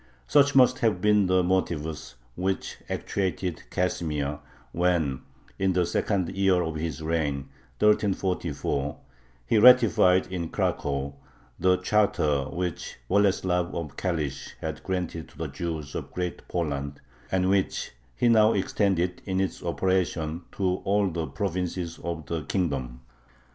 Such must have been the motives which actuated Casimir when, in the second year of his reign (1344), he ratified, in Cracow, the charter which Boleslav of Kalish had granted to the Jews of Great Poland, and which he now extended in its operation to all the provinces of the kingdom.